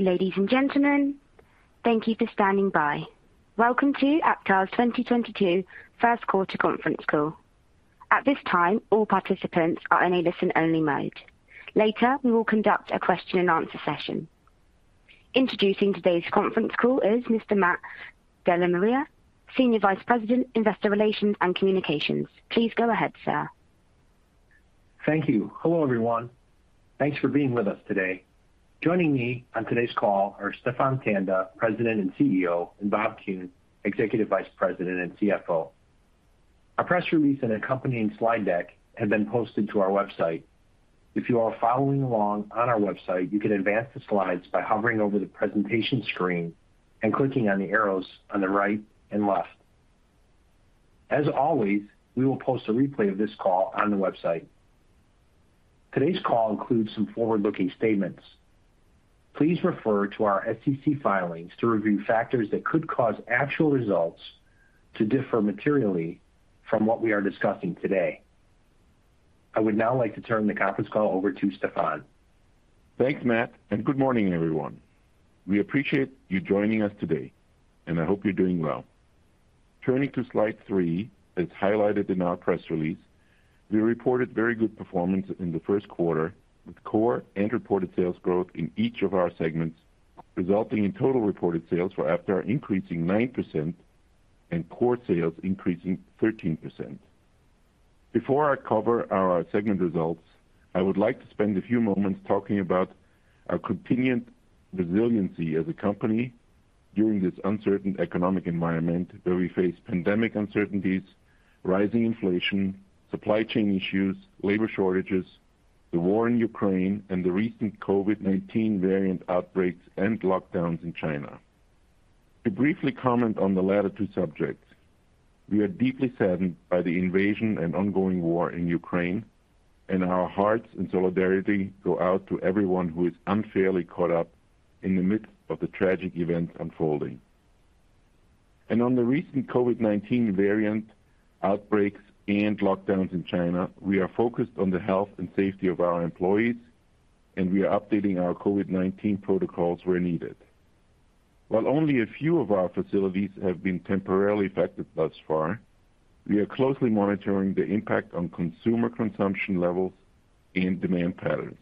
Ladies and gentlemen, thank you for standing by. Welcome to Aptar's 2022 Q1 conference call. At this time, all participants are in a listen-only mode. Later, we will conduct a question and answer session. Introducing today's conference call is Mr. Matt DellaMaria, Senior Vice President, Investor Relations and Communications. Please go ahead, sir. Thank you. Hello, everyone. Thanks for being with us today. Joining me on today's call are Stephan Tanda, President and CEO, and Bob Kuhn, Executive Vice President and CFO. Our press release and accompanying slide deck have been posted to our website. If you are following along on our website, you can advance the slides by hovering over the presentation screen and clicking on the arrows on the right and left. As always, we will post a replay of this call on the website. Today's call includes some forward-looking statements. Please refer to our SEC filings to review factors that could cause actual results to differ materially from what we are discussing today. I would now like to turn the conference call over to Stephan. Thanks, Matt, and good morning, everyone. We appreciate you joining us today, and I hope you're doing well. Turning to Slide three, as highlighted in our press release, we reported very good performance in the Q1, with core and reported sales growth in each of our segments, resulting in total reported sales for Aptar increasing 9% and core sales increasing 13%. Before I cover our segment results, I would like to spend a few moments talking about our continued resiliency as a company during this uncertain economic environment where we face pandemic uncertainties, rising inflation, supply chain issues, labor shortages, the war in Ukraine, and the recent COVID-19 variant outbreaks and lockdowns in China. To briefly comment on the latter two subjects, we are deeply saddened by the invasion and ongoing war in Ukraine, and our hearts and solidarity go out to everyone who is unfairly caught up in the midst of the tragic events unfolding. On the recent COVID-19 variant outbreaks and lockdowns in China, we are focused on the health and safety of our employees, and we are updating our COVID-19 protocols where needed. While only a few of our facilities have been temporarily affected thus far, we are closely monitoring the impact on consumer consumption levels and demand patterns.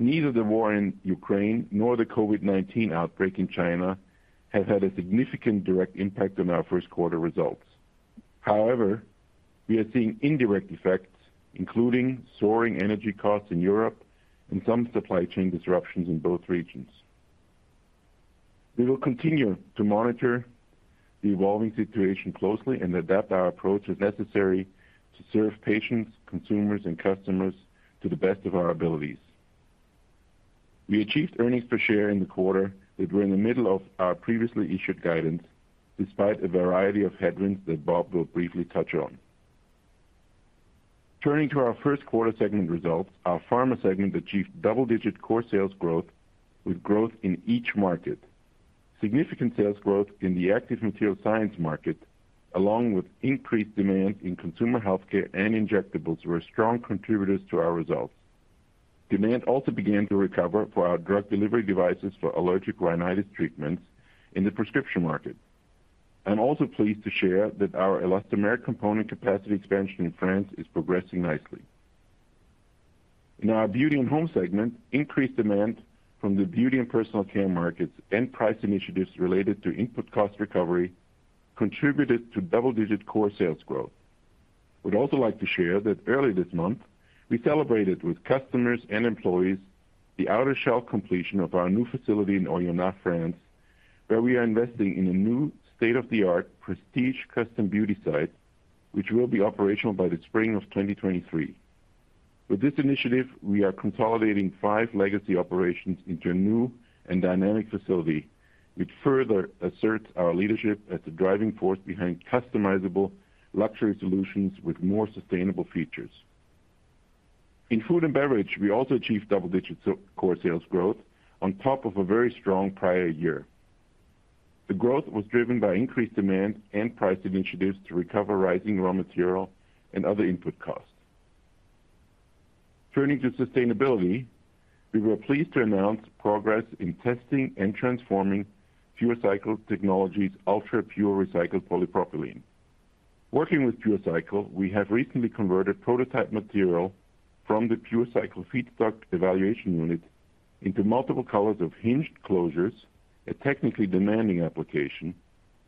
Neither the war in Ukraine nor the COVID-19 outbreak in China have had a significant direct impact on our Q1 results. However, we are seeing indirect effects, including soaring energy costs in Europe and some supply chain disruptions in both regions. We will continue to monitor the evolving situation closely and adapt our approach as necessary to serve patients, consumers, and customers to the best of our abilities. We achieved earnings per share in the quarter that were in the middle of our previously issued guidance, despite a variety of headwinds that Bob will briefly touch on. Turning to our Q1 segment results, our pharma segment achieved double-digit core sales growth with growth in each market. Significant sales growth in the active material science market, along with increased demand in consumer healthcare and injectables, were strong contributors to our results. Demand also began to recover for our drug delivery devices for allergic rhinitis treatments in the prescription market. I'm also pleased to share that our elastomeric component capacity expansion in France is progressing nicely. In our beauty and home segment, increased demand from the beauty and personal care markets and price initiatives related to input cost recovery contributed to double-digit core sales growth. I would also like to share that early this month, we celebrated with customers and employees the outer shell completion of our new facility in Oyonnax, France, where we are investing in a new state-of-the-art prestige custom beauty site, which will be operational by the spring of 2023. With this initiative, we are consolidating 5 legacy operations into a new and dynamic facility, which further asserts our leadership as the driving force behind customizable luxury solutions with more sustainable features. In food and beverage, we also achieved double-digit core sales growth on top of a very strong prior year. The growth was driven by increased demand and price initiatives to recover rising raw material and other input costs. Turning to sustainability, we were pleased to announce progress in testing and transforming PureCycle Technologies' ultra-pure recycled polypropylene. Working with PureCycle, we have recently converted prototype material from the PureCycle feedstock evaluation unit into multiple colors of hinged closures, a technically demanding application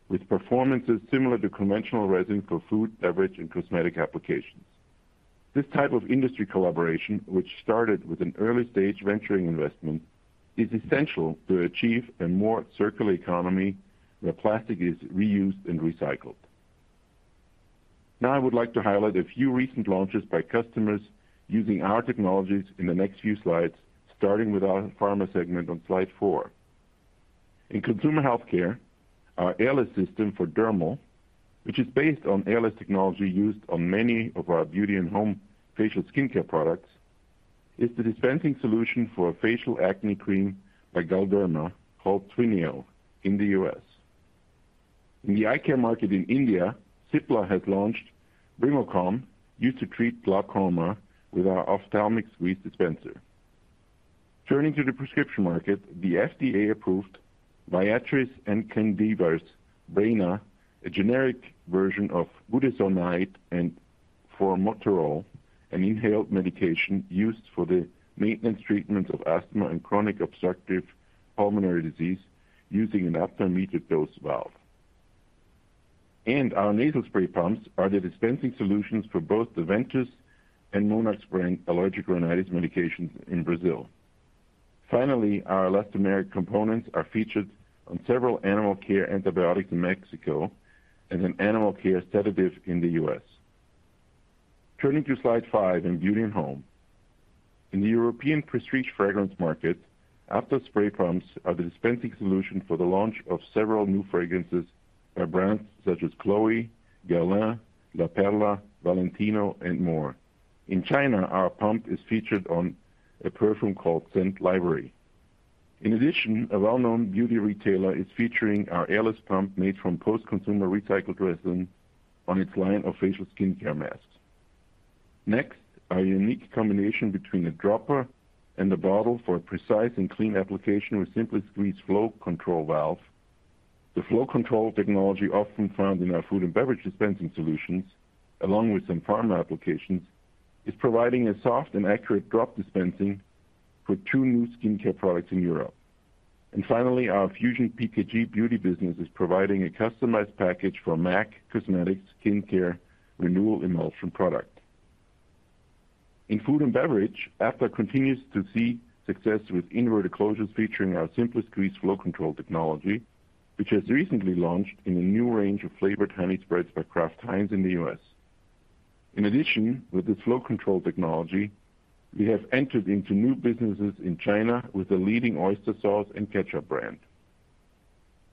with performance similar to conventional resin for food, beverage, and cosmetic applications. This type of industry collaboration, which started with an early-stage venture investment, is essential to achieve a more circular economy where plastic is reused and recycled. Now I would like to highlight a few recent launches by customers using our technologies in the next few slides, starting with our pharma segment on Slide four. In consumer healthcare, our Airless system for dermal, which is based on Airless technology used on many of our beauty and home facial skincare products, is the dispensing solution for a facial acne cream by Galderma called Twyneo in the U.S. In the eye care market in India, Cipla has launched Brimocom, used to treat glaucoma with our ophthalmic squeeze dispenser. Turning to the prescription market, the FDA approved Viatris and Kindeva Breyna, a generic version of budesonide and formoterol, an inhaled medication used for the maintenance treatment of asthma and chronic obstructive pulmonary disease using an Aptar metered dose valve. Our nasal spray pumps are the dispensing solutions for both the Ventus and Monarch spray allergic rhinitis medications in Brazil. Finally, our elastomeric components are featured on several animal care antibiotics in Mexico and an animal care sedative in the U.S. Turning to Slide five in beauty and home. In the European prestige fragrance market, Aptar spray pumps are the dispensing solution for the launch of several new fragrances by brands such as Chloé, Guerlain, La Perla, Valentino, and more. In China, our pump is featured on a perfume called Scent Library. In addition, a well-known beauty retailer is featuring our airless pump made from post-consumer recycled resin on its line of facial skincare masks. Next, our unique combination between a dropper and a bottle for precise and clean application with SimpliSqueeze flow control valve. The flow control technology, often found in our food and beverage dispensing solutions, along with some pharma applications, is providing a soft and accurate drop dispensing for two new skincare products in Europe. Finally, our FusionPKG beauty business is providing a customized package for MAC Cosmetics Skincare Renewal Emulsion product. In food and beverage, Aptar continues to see success with inverted closures featuring our SimpliSqueeze flow control technology, which has recently launched in a new range of flavored honey spreads by Kraft Heinz in the U.S. In addition, with this flow control technology, we have entered into new businesses in China with a leading oyster sauce and ketchup brand.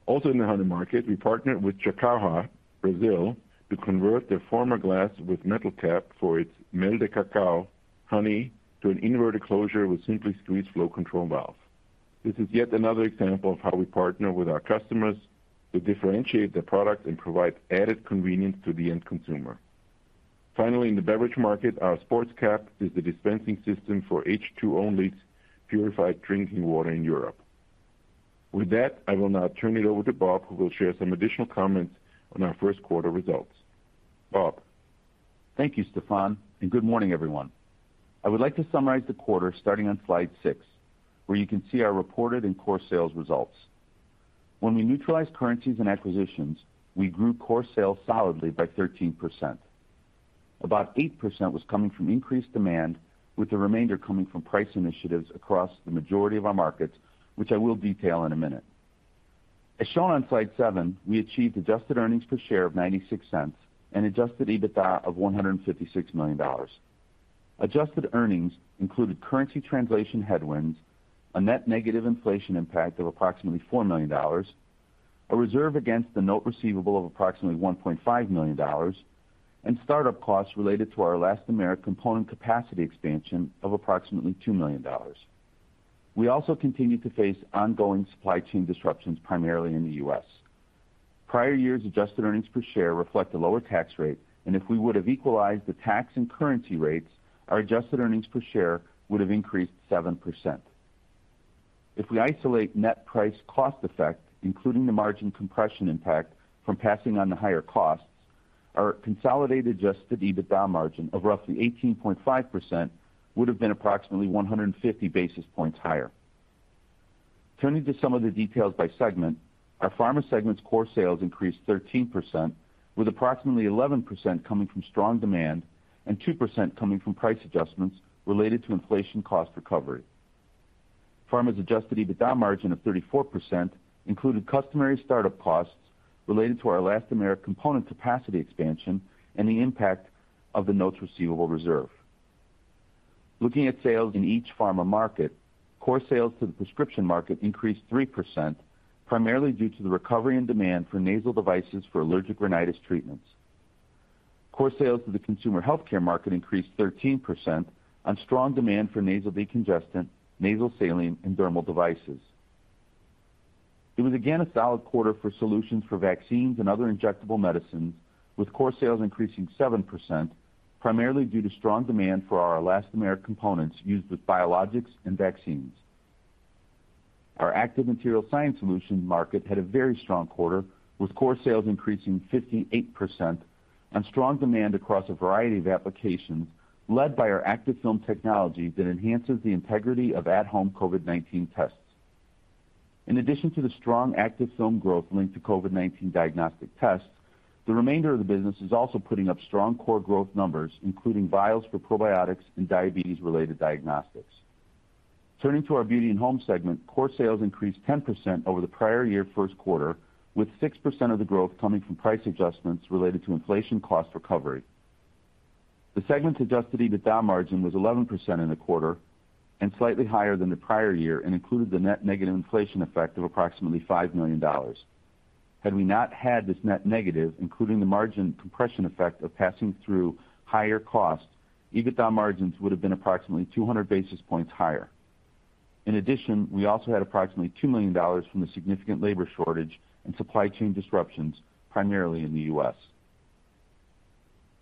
Also in the honey market, we partnered with Chacauhaa, Brazil, to convert their former glass with metal cap for its Mel de Cacau honey to an inverted closure with SimpliSqueeze flow control valve. This is yet another example of how we partner with our customers to differentiate their product and provide added convenience to the end consumer. Finally, in the beverage market, our sports cap is the dispensing system for H2Only's purified drinking water in Europe. With that, I will now turn it over to Bob, who will share some additional comments on our Q1 results. Bob. Thank you, Stephan, and good morning, everyone. I would like to summarize the quarter starting on Slide six, where you can see our reported and core sales results. When we neutralized currencies and acquisitions, we grew core sales solidly by 13%. About 8% was coming from increased demand, with the remainder coming from price initiatives across the majority of our markets, which I will detail in a minute. As shown on Slide seven, we achieved adjusted earnings per share of $0.96 and adjusted EBITDA of $156 million. Adjusted earnings included currency translation headwinds, a net negative inflation impact of approximately $4 million, a reserve against the note receivable of approximately $1.5 million, and start-up costs related to our elastomeric component capacity expansion of approximately $2 million. We also continued to face ongoing supply chain disruptions, primarily in the U.S. Prior years' adjusted earnings per share reflect a lower tax rate, and if we would have equalized the tax and currency rates, our adjusted earnings per share would have increased 7%. If we isolate net price cost effect, including the margin compression impact from passing on the higher costs, our consolidated adjusted EBITDA margin of roughly 18.5% would have been approximately 150 basis points higher. Turning to some of the details by segment, our pharma segment's core sales increased 13%, with approximately 11% coming from strong demand and 2% coming from price adjustments related to inflation cost recovery. Pharma's adjusted EBITDA margin of 34% included customary start-up costs related to our elastomeric component capacity expansion and the impact of the notes receivable reserve. Looking at sales in each pharma market, core sales to the prescription market increased 3%, primarily due to the recovery and demand for nasal devices for allergic rhinitis treatments. Core sales to the consumer healthcare market increased 13% on strong demand for nasal decongestant, nasal saline, and dermal devices. It was again a solid quarter for solutions for vaccines and other injectable medicines, with core sales increasing 7%, primarily due to strong demand for our elastomeric components used with biologics and vaccines. Our active material science solutions market had a very strong quarter, with core sales increasing 58% on strong demand across a variety of applications, led by our Activ-Film™ technology that enhances the integrity of at-home COVID-19 tests. In addition to the strong Activ-Film™ growth linked to COVID-19 diagnostic tests, the remainder of the business is also putting up strong core growth numbers, including vials for probiotics and diabetes-related diagnostics. Turning to our beauty and home segment, core sales increased 10% over the prior year Q1, with 6% of the growth coming from price adjustments related to inflation cost recovery. The segment's adjusted EBITDA margin was 11% in the quarter and slightly higher than the prior year and included the net negative inflation effect of approximately $5 million. Had we not had this net negative, including the margin compression effect of passing through higher costs, EBITDA margins would have been approximately 200 basis points higher. In addition, we also had approximately $2 million from the significant labor shortage and supply chain disruptions, primarily in the U.S.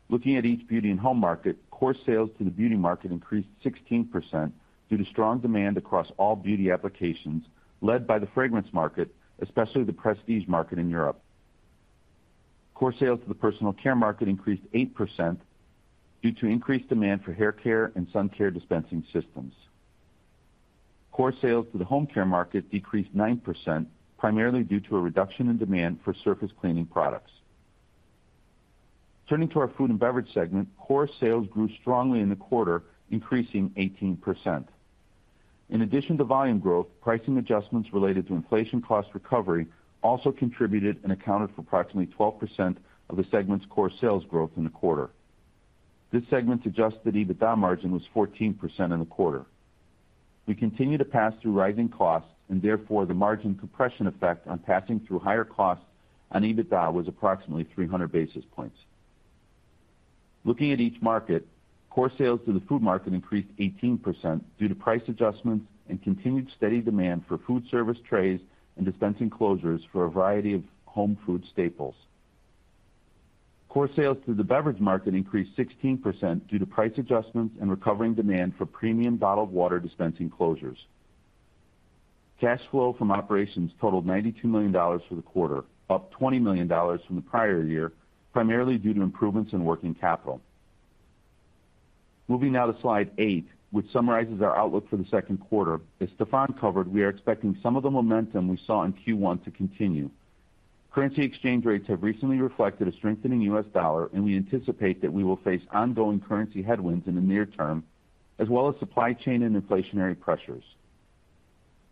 Looking at each beauty and home market, core sales to the beauty market increased 16% due to strong demand across all beauty applications led by the fragrance market, especially the prestige market in Europe. Core sales to the personal care market increased 8% due to increased demand for hair care and sun care dispensing systems. Core sales to the home care market decreased 9%, primarily due to a reduction in demand for surface cleaning products. Turning to our food and beverage segment, core sales grew strongly in the quarter, increasing 18%. In addition to volume growth, pricing adjustments related to inflation cost recovery also contributed and accounted for approximately 12% of the segment's core sales growth in the quarter. This segment's adjusted EBITDA margin was 14% in the quarter. We continue to pass through rising costs and therefore, the margin compression effect on passing through higher costs on EBITDA was approximately 300 basis points. Looking at each market, core sales to the food market increased 18% due to price adjustments and continued steady demand for food service trays and dispensing closures for a variety of home food staples. Core sales to the beverage market increased 16% due to price adjustments and recovering demand for premium bottled water dispensing closures. Cash flow from operations totaled $92 million for the quarter, up $20 million from the prior year, primarily due to improvements in working capital. Moving now to Slide eight, which summarizes our outlook for the Q2. As Stephan covered, we are expecting some of the momentum we saw in Q1 to continue. Currency exchange rates have recently reflected a strengthening US dollar, and we anticipate that we will face ongoing currency headwinds in the near term, as well as supply chain and inflationary pressures.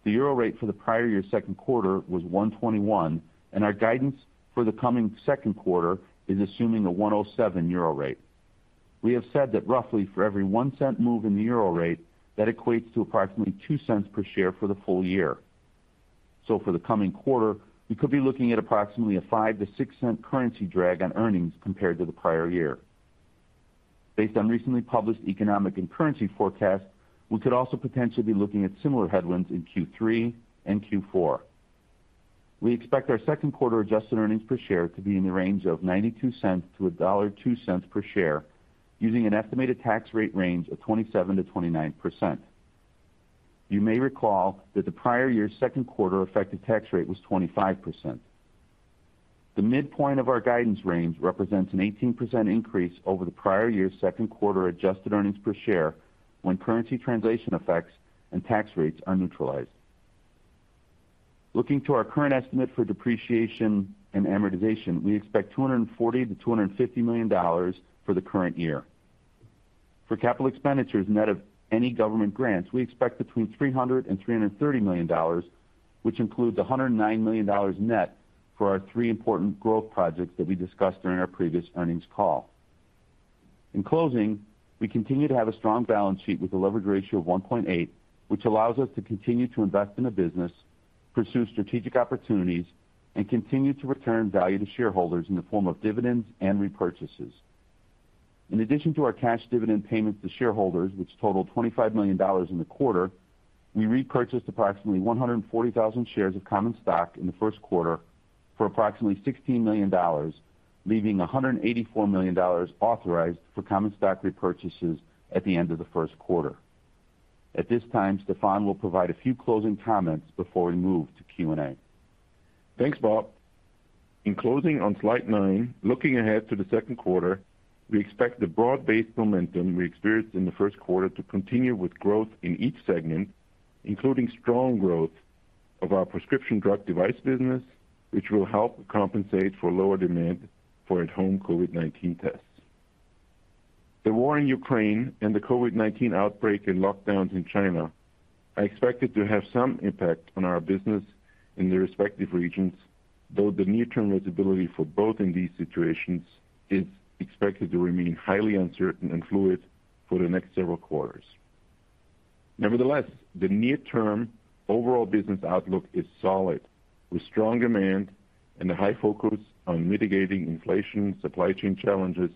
The euro rate for the prior year Q2 was 1.21, and our guidance for the coming Q2 is assuming a 1.07 euro rate. We have said that roughly for every 1-cent move in the euro rate, that equates to approximately $0.02 per share for the full year. For the coming quarter, we could be looking at approximately a $0.05-$0.06 currency drag on earnings compared to the prior year. Based on recently published economic and currency forecasts, we could also potentially be looking at similar headwinds in Q3 and Q4. We expect our Q2 adjusted earnings per share to be in the range of $0.92-$1.02 per share using an estimated tax rate range of 27%-29%. You may recall that the prior year's Q2 effective tax rate was 25%. The midpoint of our guidance range represents an 18% increase over the prior year's Q2 adjusted earnings per share when currency translation effects and tax rates are neutralized. Looking to our current estimate for depreciation and amortization, we expect $240 million-$250 million for the current year. For capital expenditures net of any government grants, we expect between $300 million and $330 million, which includes $109 million net for our three important growth projects that we discussed during our previous earnings call. In closing, we continue to have a strong balance sheet with a leverage ratio of 1.8, which allows us to continue to invest in the business, pursue strategic opportunities, and continue to return value to shareholders in the form of dividends and repurchases. In addition to our cash dividend payments to shareholders, which totaled $25 million in the quarter, we repurchased approximately 140,000 shares of common stock in the Q1 for approximately $16 million, leaving $184 million authorized for common stock repurchases at the end of the Q1. At this time, Stephan will provide a few closing comments before we move to Q&A. Thanks, Bob. In closing on Slide nine, looking ahead to the Q2, we expect the broad-based momentum we experienced in the Q1 to continue with growth in each segment, including strong growth of our prescription drug device business, which will help compensate for lower demand for at-home COVID-19 tests. The war in Ukraine and the COVID-19 outbreak and lockdowns in China are expected to have some impact on our business in their respective regions, though the near-term visibility for both in these situations is expected to remain highly uncertain and fluid for the next several quarters. Nevertheless, the near term overall business outlook is solid, with strong demand and a high focus on mitigating inflation, supply chain challenges,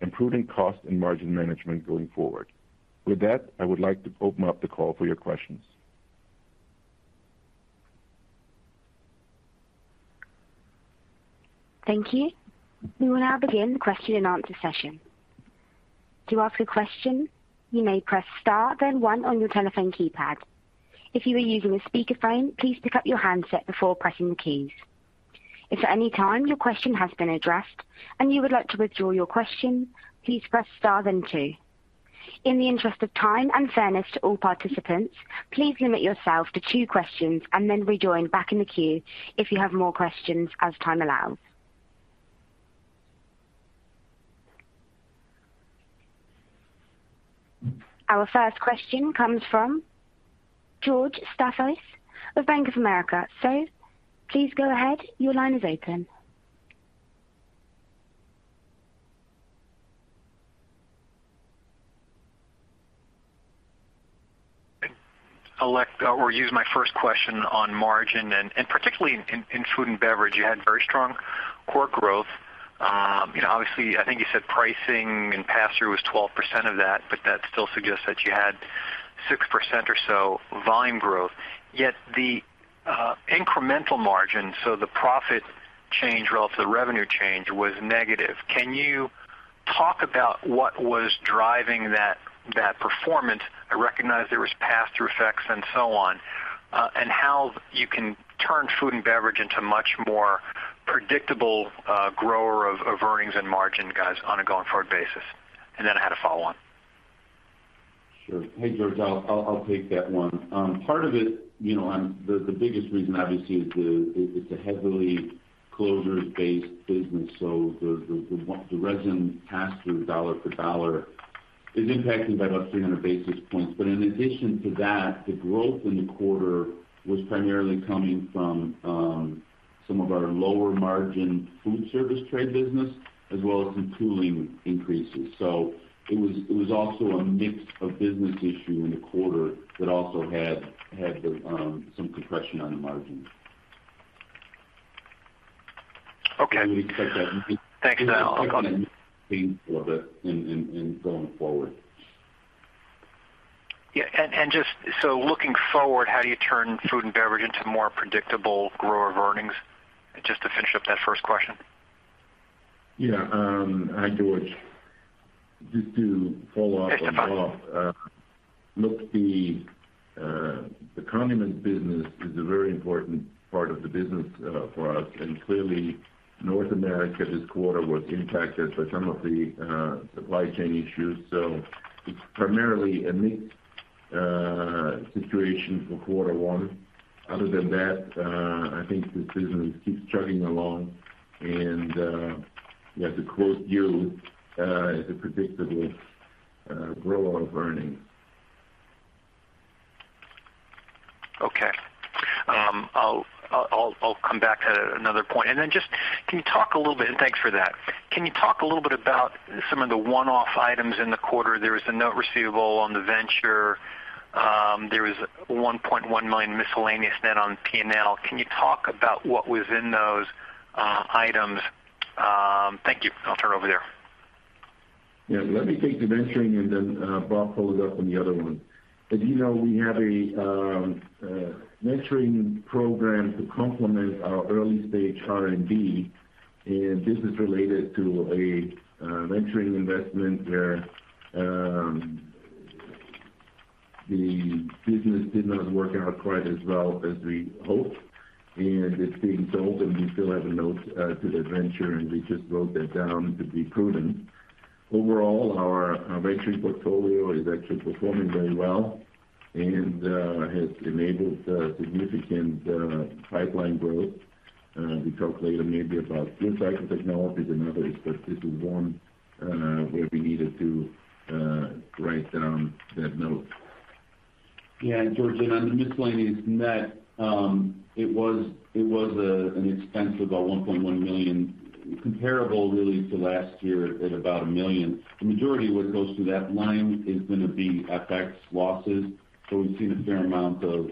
improving cost and margin management going forward. With that, I would like to open up the call for your questions. Thank you. We will now begin the question and answer session. To ask a question, you may press *, then one on your telephone keypad. If you are using a speakerphone, please pick up your handset before pressing the keys. If at any time your question has been addressed and you would like to withdraw your question, please press * then two. In the interest of time and fairness to all participants, please limit yourself to two questions and then rejoin back in the queue if you have more questions as time allows. Our first question comes from George Staphos of Bank of America. Please go ahead. Your line is open. I'll use my first question on margin and particularly in food and beverage. You had very strong core growth. You know, obviously, I think you said pricing and pass-through was 12% of that, but that still suggests that you had 6% or so volume growth. Yet the incremental margin, so the profit change relative to the revenue change was negative. Can you talk about what was driving that performance? I recognize there was pass-through effects and so on. And how you can turn food and beverage into much more predictable grower of earnings and margin gains on a going-forward basis. Then I had a follow-on. Sure. Hey, George. I'll take that one. Part of it, you know, the biggest reason obviously is it's a heavily closures-based business, so the resin pass-through dollar for dollar is impacted by about 300 basis points. In addition to that, the growth in the quarter was primarily coming from some of our lower margin food service tray business, as well as some tooling increases. It was also a mix of business issue in the quarter that also had some compression on the margins. Okay. We expect that. Thanks, Stephan. I'll call on you. going forward. Just so looking forward, how do you turn food and beverage into more predictable grower of earnings? Just to finish up that first question. Yeah. Hi, George. Just to follow up on Bob. Thanks, Stephan. Look, the condiment business is a very important part of the business, for us, and clearly North America this quarter was impacted by some of the, supply chain issues, so it's primarily a mixed, situation for Q1. Other than that, I think the business keeps chugging along. You know, to quote you, is a predictable, grower of earnings. Okay. I'll come back to another point. Then can you talk a little bit about some of the one-off items in the quarter? Thanks for that. There was a note receivable on the venture. There was $1.1 million miscellaneous net on P&L. Can you talk about what was in those items? Thank you. I'll turn it over to you. Yeah. Let me take the venturing and then, Bob, follow up on the other one. As you know, we have a venturing program to complement our early-stage R&D, and this is related to a venturing investment where the business did not work out quite as well as we hoped, and it's being sold, and we still have a note to the venture, and we just wrote that down to be prudent. Overall, our venturing portfolio is actually performing very well and has enabled significant pipeline growth. We talk later maybe about PureCycle Technologies and others, but this is one where we needed to write down that note. Yeah. George, on the miscellaneous net, it was an expense of about $1.1 million, comparable really to last year at about $1 million. The majority of what goes through that line is gonna be FX losses. We've seen a fair amount of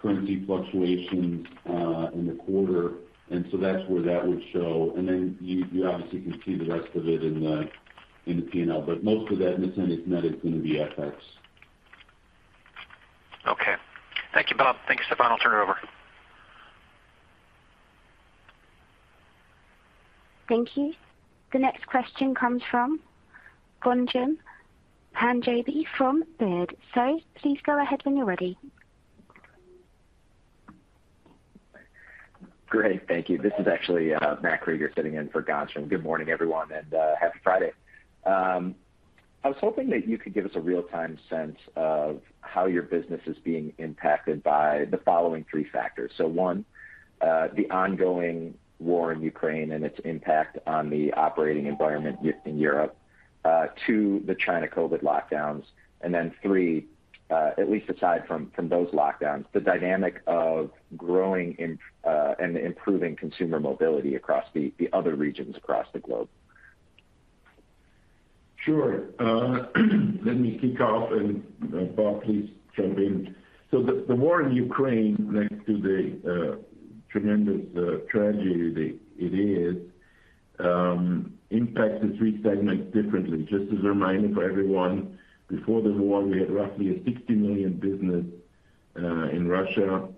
currency fluctuations in the quarter, and that's where that would show. Then you obviously can see the rest of it in the P&L. Most of that miscellaneous net is gonna be FX. Okay. Thank you, Bob. Thanks, Stephan. I'll turn it over. Thank you. The next question comes from Ghansham Panjabi from Baird. Sir, please go ahead when you're ready. Great. Thank you. This is actually Matt Krueger sitting in for Ghansham Panjabi. Good morning, everyone, and happy Friday. I was hoping that you could give us a real-time sense of how your business is being impacted by the following three factors. One, the ongoing war in Ukraine and its impact on the operating environment in Europe. Two, the China COVID-19 lockdowns. And then three, at least aside from those lockdowns, the dynamic of growing and improving consumer mobility across the other regions across the globe. Sure. Let me kick off and Bob, please jump in. The war in Ukraine next to the tremendous tragedy that it is impacted three segments differently. Just as a reminder for everyone, before the war, we had roughly a $60 million business in Russia,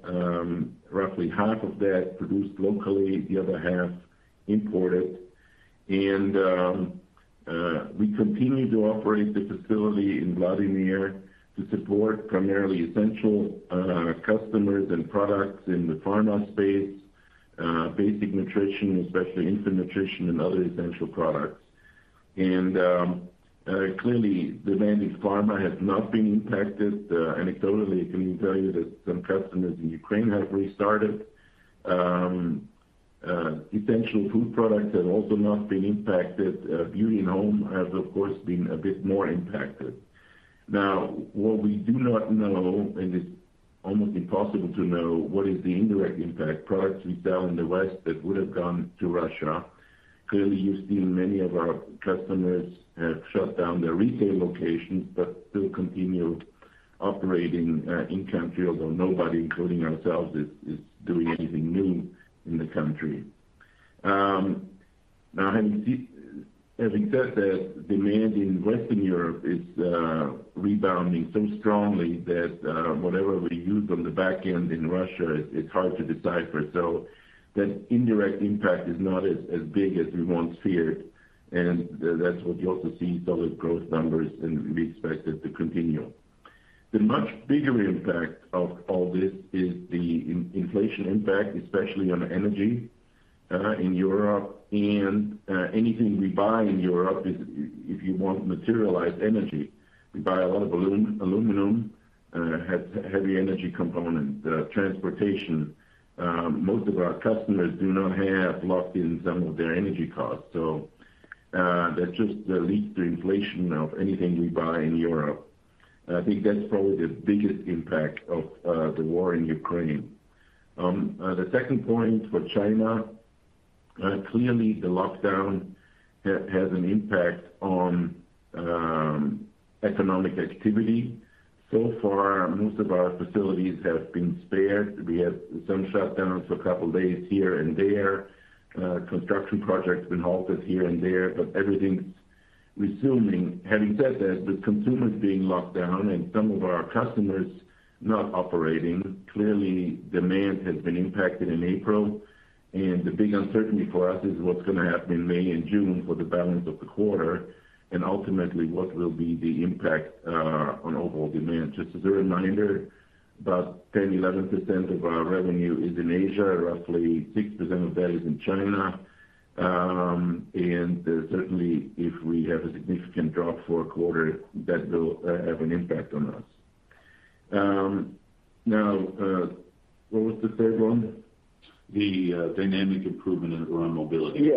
roughly half of that produced locally, the other half imported. We continue to operate the facility in Vladimir to support primarily essential customers and products in the pharma space, basic nutrition, especially infant nutrition and other essential products. Clearly, demand in pharma has not been impacted. Anecdotally, I can tell you that some customers in Ukraine have restarted. Essential food products have also not been impacted. Beauty and home has, of course, been a bit more impacted. Now, what we do not know, and it's almost impossible to know what is the indirect impact, products we sell in the West that would have gone to Russia. Clearly, you've seen many of our customers have shut down their retail locations, but still continue operating in country, although nobody, including ourselves, is doing anything new in the country. Having said that, demand in Western Europe is rebounding so strongly that whatever we use on the back end in Russia, it's hard to decipher. So that indirect impact is not as big as we once feared, and that's what you also see solid growth numbers, and we expect it to continue. The much bigger impact of all this is the inflation impact, especially on energy in Europe and anything we buy in Europe is, if you want, materialized energy. We buy a lot of aluminum, has heavy energy component. Transportation, most of our customers do not have locked in some of their energy costs. That's just the least inflation of anything we buy in Europe. I think that's probably the biggest impact of the war in Ukraine. The second point for China, clearly the lockdown has an impact on economic activity. So far, most of our facilities have been spared. We had some shutdowns for a couple of days here and there. Construction projects been halted here and there, but everything's resuming. Having said that, with consumers being locked down and some of our customers not operating, clearly demand has been impacted in April. The big uncertainty for us is what's gonna happen in May and June for the balance of the quarter, and ultimately, what will be the impact on overall demand. Just as a reminder, about 10%, 11% of our revenue is in Asia. Roughly 6% of that is in China. Certainly, if we have a significant drop for a quarter, that will have an impact on us. Now, what was the third one? The dynamic improvement around mobility.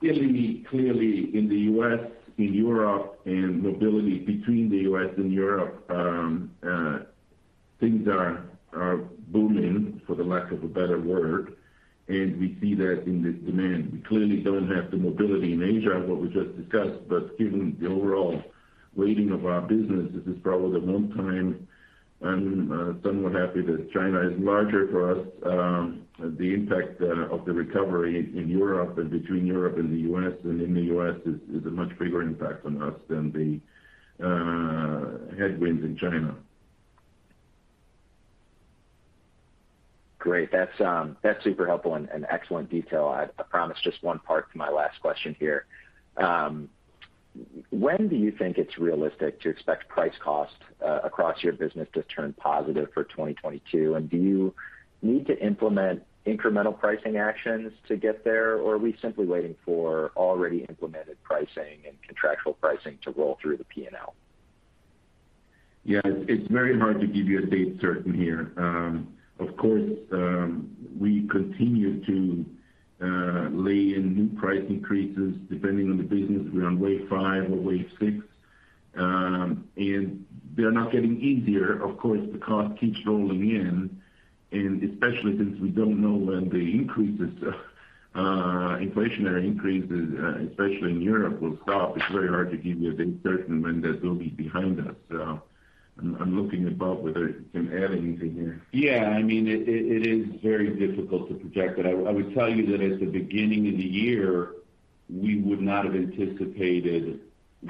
Clearly in the U.S., in Europe, and mobility between the U.S. and Europe, things are booming, for the lack of a better word, and we see that in the demand. We clearly don't have the mobility in Asia, what we just discussed. Given the overall weighting of our business, this is probably the one time I'm somewhat happy that China is larger for us. The impact of the recovery in Europe and between Europe and the U.S. and in the U.S. is a much bigger impact on us than the headwinds in China. Great. That's super helpful and excellent detail. I promise just one part to my last question here. When do you think it's realistic to expect price cost across your business to turn positive for 2022? And do you need to implement incremental pricing actions to get there, or are we simply waiting for already implemented pricing and contractual pricing to roll through the P&L? Yeah. It's very hard to give you a date certain here. Of course, we continue to lay in new price increases. Depending on the business, we're on wave five or wave six. They're not getting easier. Of course, the cost keeps rolling in, and especially since we don't know when the increases, inflationary increases, especially in Europe, will stop. It's very hard to give you a date certain when that will be behind us. I'm looking at Bob, whether you can add anything here. Yeah. I mean, it is very difficult to project it. I would tell you that at the beginning of the year, we would not have anticipated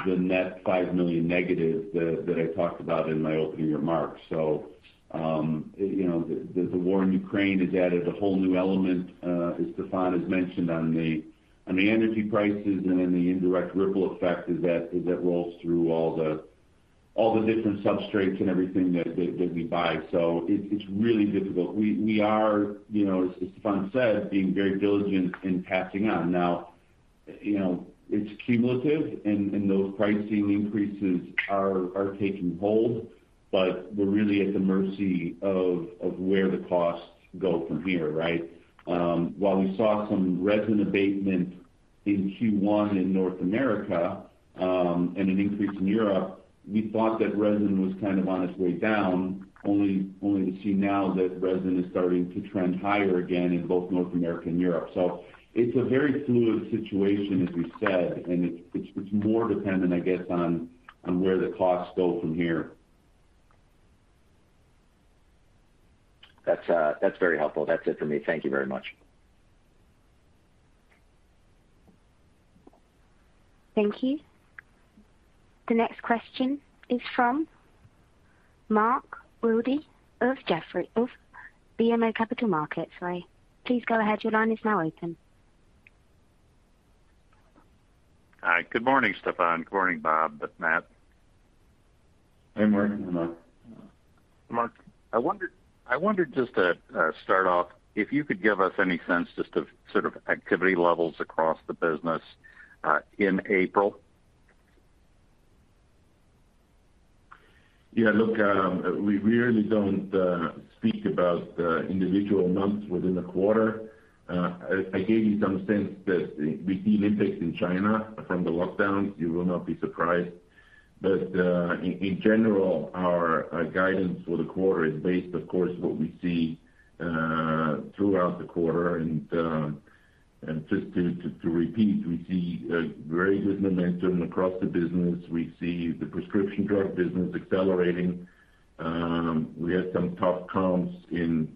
the net $5 million negative that I talked about in my opening remarks. You know, the war in Ukraine has added a whole new element, as Stephan has mentioned, on the energy prices and then the indirect ripple effect as that rolls through all the different substrates and everything that we buy. It's really difficult. We are, you know, as Stephan said, being very diligent in passing on. Now, you know, it's cumulative and those pricing increases are taking hold, but we're really at the mercy of where the costs go from here, right? While we saw some resin abatement in Q1 in North America, and an increase in Europe, we thought that resin was kind of on its way down, only to see now that resin is starting to trend higher again in both North America and Europe. It's a very fluid situation, as we said, and it's more dependent, I guess, on where the costs go from here. That's very helpful. That's it for me. Thank you very much. Thank you. The next question is from Mark Wilde of BMO Capital Markets. Sorry. Please go ahead. Your line is now open. Hi. Good morning, Stephan. Good morning, Bob, Matt. Hey, Mark. Good morning. Mark, I wondered just to start off if you could give us any sense just of sort of activity levels across the business in April? Yeah. Look, we really don't speak about individual months within a quarter. I gave you some sense that we see an impact in China from the lockdowns. You will not be surprised. In general, our guidance for the quarter is based, of course, what we see throughout the quarter. Just to repeat, we see very good momentum across the business. We see the prescription drug business accelerating. We had some tough comps in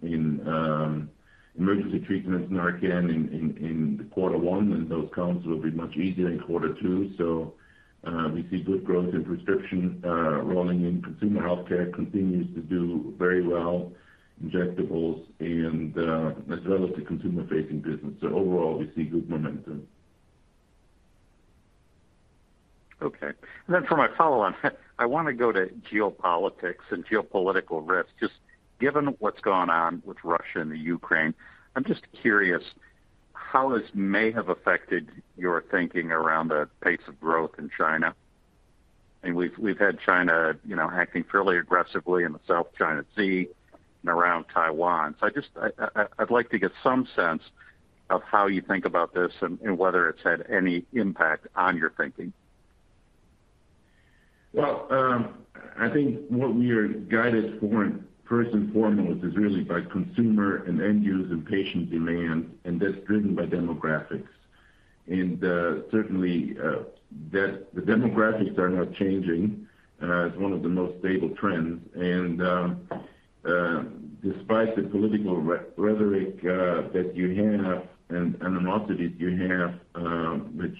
emergency treatments, NARCAN in Q1, and those comps will be much easier in Q2. We see good growth in prescription and in consumer healthcare continues to do very well, injectables and as well as the consumer-facing business. Overall, we see good momentum. Okay. Then for my follow-on, I wanna go to geopolitics and geopolitical risks. Just given what's gone on with Russia and the Ukraine, I'm just curious how this may have affected your thinking around the pace of growth in China. I mean, we've had China, you know, acting fairly aggressively in the South China Sea and around Taiwan. I'd like to get some sense of how you think about this and whether it's had any impact on your thinking. Well, I think what we are guided for first and foremost is really by consumer and end user and patient demand, and that's driven by demographics. Certainly, that the demographics are not changing as one of the most stable trends. Despite the political rhetoric that you have and animosities you have, which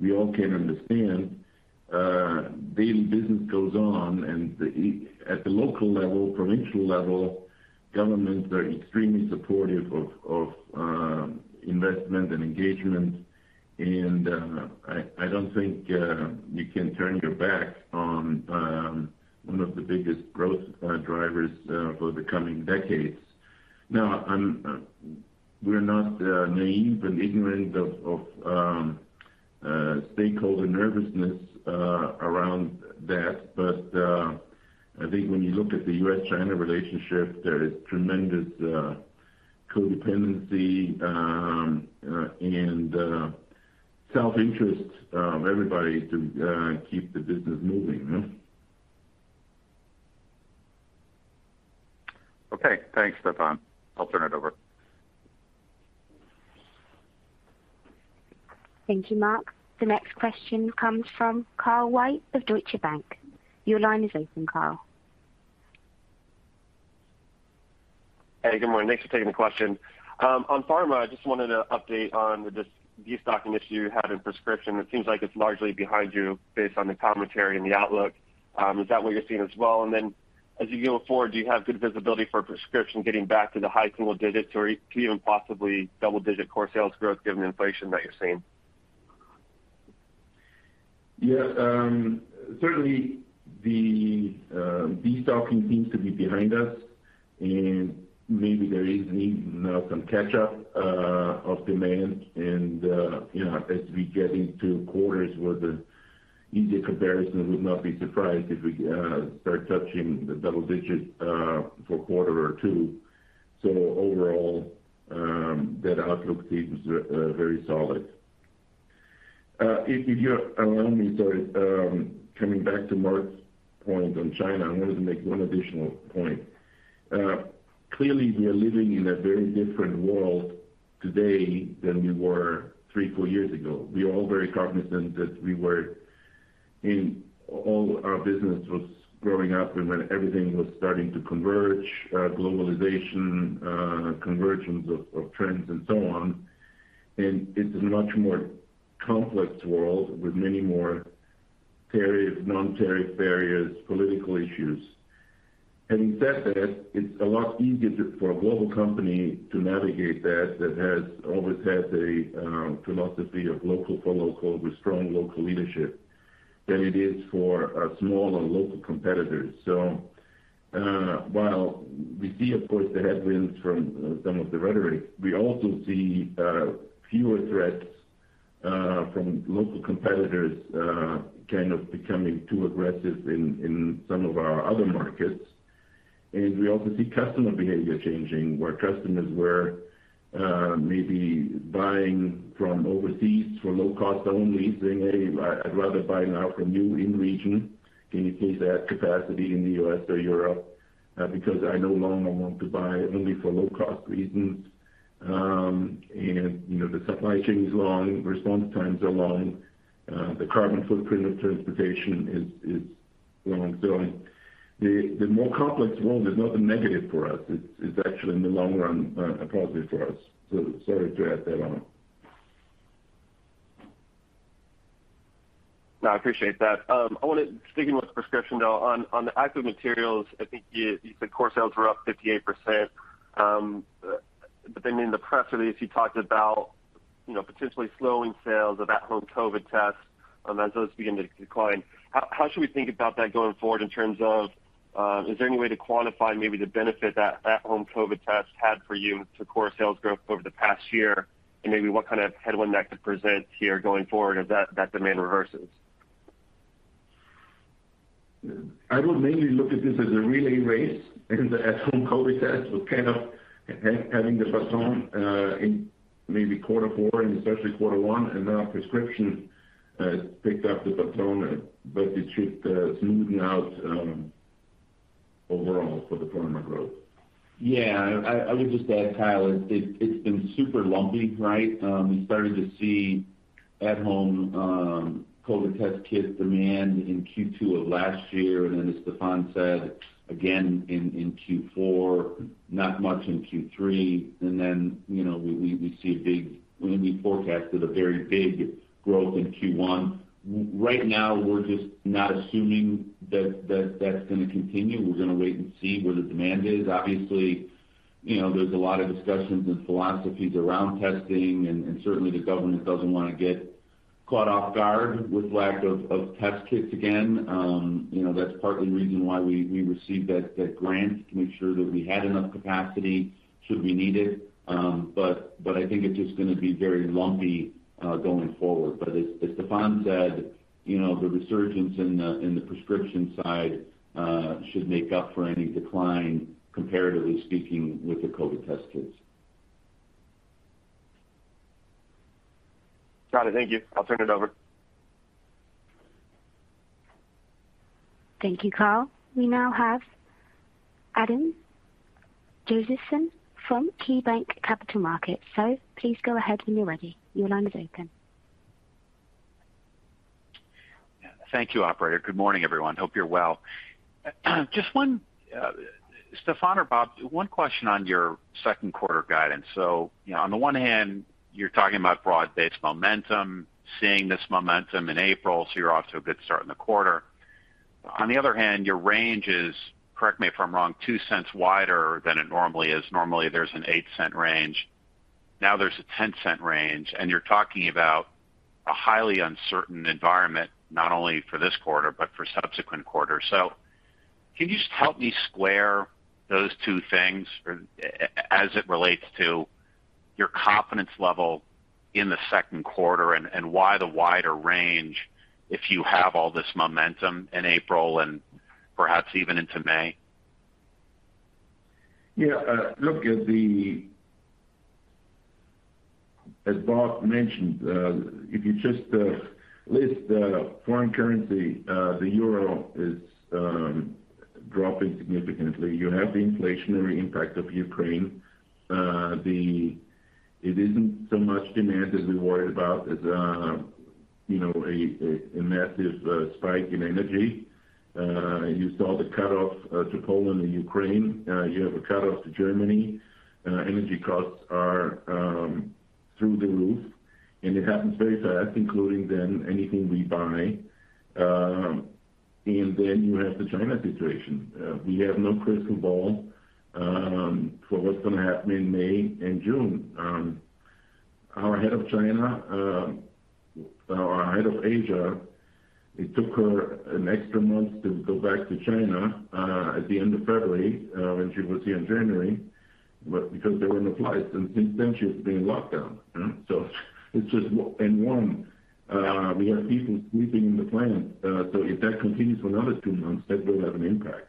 we all can understand, daily business goes on. At the local level, provincial level, governments are extremely supportive of investment and engagement. I don't think you can turn your back on one of the biggest growth drivers for the coming decades. We're not naive and ignorant of stakeholder nervousness around that. I think when you look at the U.S.-China relationship, there is tremendous codependency and self-interest of everybody to keep the business moving. Yeah. Okay. Thanks, Stephan. I'll turn it over. Thank you, Mark. The next question comes from Kyle White of Deutsche Bank. Your line is open, Kyle. Hey, good morning. Thanks for taking the question. On pharma, I just wanted an update on the de-stocking issue you had in prescription. It seems like it's largely behind you based on the commentary and the outlook. Is that what you're seeing as well? As you go forward, do you have good visibility for prescription getting back to the high single digits or even possibly double-digit core sales growth given the inflation that you're seeing? Yeah. Certainly the de-stocking seems to be behind us, and maybe there is even now some catch up of demand. You know, as we get into quarters where the easier comparison would not be surprised if we start touching the double digits for a quarter or two. Overall, that outlook seems very solid. If you allow me, sorry. Coming back to Mark's point on China, I wanted to make one additional point. Clearly, we are living in a very different world today than we were three, four years ago. We are all very cognizant that we were in all our business was growing up and when everything was starting to converge, globalization, convergence of trends and so on. It's a much more complex world with many more tariff, non-tariff barriers, political issues. Having said that, it's a lot easier for a global company to navigate that that has always had a philosophy of local for local with strong local leadership than it is for smaller local competitors. While we see, of course, the headwinds from some of the rhetoric, we also see fewer threats from local competitors kind of becoming too aggressive in some of our other markets. We also see customer behavior changing, where customers were maybe buying from overseas for low cost only, saying, "Hey, I'd rather buy now from you in region, in case I have capacity in the U.S. or Europe, because I no longer want to buy only for low cost reasons." You know, the supply chain is long, response times are long, the carbon footprint of transportation is long. The more complex world is not a negative for us. It's actually in the long run a positive for us. Sorry to add that on. No, I appreciate that. I want to stick with prescription, though, on the active materials. I think you said core sales were up 58%. But then in the press release, you talked about, you know, potentially slowing sales of at-home COVID-19 tests as those begin to decline. How should we think about that going forward in terms of is there any way to quantify maybe the benefit that at-home COVID-19 tests had for you to core sales growth over the past year? Maybe what kind of headwind that could present here going forward if that demand reverses? I would mainly look at this as a relay race, and the at-home COVID-19 test was kind of having the baton in maybe Q and especially Q1, and now prescription picked up the baton, but it should smoothen out overall for the year growth. I would just add, Kyle, it's been super lumpy, right? We started to see at-home COVID test kit demand in Q2 of last year, and then as Stephan said, again in Q4, not much in Q3. Then, you know, we see a big—we forecasted a very big growth in Q1. Right now, we're just not assuming that that's gonna continue. We're gonna wait and see where the demand is. Obviously, you know, there's a lot of discussions and philosophies around testing, and certainly the government doesn't wanna get caught off guard with lack of test kits again. You know, that's partly the reason why we received that grant to make sure that we had enough capacity should we need it. But I think it's just gonna be very lumpy going forward. As Stephan said, you know, the resurgence in the prescription side should make up for any decline, comparatively speaking, with the COVID test kits. Got it. Thank you. I'll turn it over. Thank you, Kyle. We now have Adam Josephson from KeyBanc Capital Markets. Please go ahead when you're ready. Your line is open. Thank you, operator. Good morning, everyone. Hope you're well. Just one, Stephan or Bob, one question on your Q2 guidance. You know, on the one hand, you're talking about broad-based momentum, seeing this momentum in April, so you're off to a good start in the quarter. On the other hand, your range is, correct me if I'm wrong, $0.02 wider than it normally is. Normally, there's an $0.08 range. Now there's a $0.10 range, and you're talking about a highly uncertain environment, not only for this quarter but for subsequent quarters. Can you just help me square those two things as it relates to your confidence level in the Q2 and why the wider range if you have all this momentum in April and perhaps even into May? As Bob mentioned, if you just list the foreign currency, the euro is dropping significantly. You have the inflationary impact of Ukraine. It isn't so much demand that we worry about. It's, you know, a massive spike in energy. You saw the cut-off to Poland and Ukraine. You have a cut-off to Germany. Energy costs are through the roof, and it happens very fast, including then anything we buy. Then you have the China situation. We have no crystal ball for what's gonna happen in May and June. Our head of Asia took her an extra month to go back to China at the end of February when she was here in January, but because there were no flights, and since then she's been in lockdown. We have people sleeping in the plant. If that continues for another two months, that will have an impact.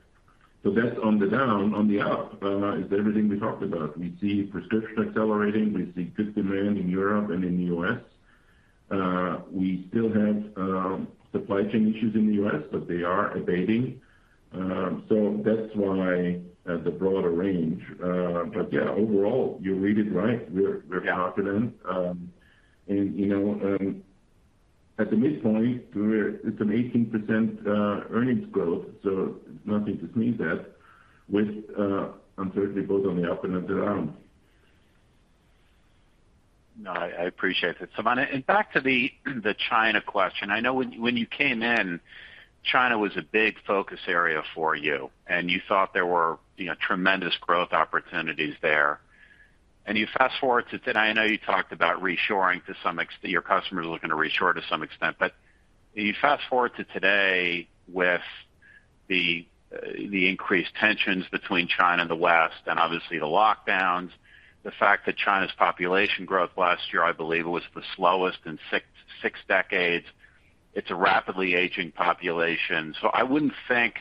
That's on the down. On the up is everything we talked about. We see prescription accelerating. We see good demand in Europe and in the U.S. We still have supply chain issues in the U.S., but they are abating. That's why the broader range. Yeah, overall, you read it right. We're confident. You know, at the midpoint, it's an 18% earnings growth, so nothing to sneeze at with uncertainty both on the up and on the down. No, I appreciate that. Stephan, back to the China question. I know when you came in, China was a big focus area for you, and you thought there were, you know, tremendous growth opportunities there. You fast-forward to today. I know you talked about reshoring. Your customers are looking to reshore to some extent. You fast-forward to today with the increased tensions between China and the West, and obviously the lockdowns, the fact that China's population growth last year, I believe, was the slowest in six decades. It's a rapidly aging population. I wouldn't think